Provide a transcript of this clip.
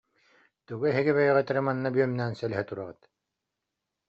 Тугу эһиги бэйэҕит эрэ манна бүөмнээн сэлэһэ тураҕыт